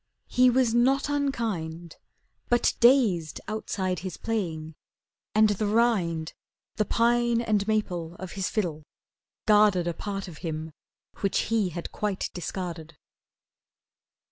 He was not unkind, But dazed outside his playing, and the rind, The pine and maple of his fiddle, guarded A part of him which he had quite discarded.